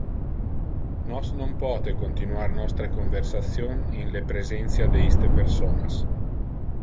Nos non pote continuar nostre conversation in le presentia de iste personas.